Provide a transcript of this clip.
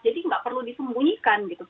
jadi nggak perlu disembunyikan gitu